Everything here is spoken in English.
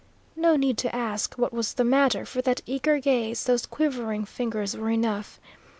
No need to ask what was the matter, for that eager gaze, those quivering fingers, were enough.